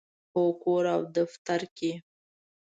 هو، کور او دفتر کې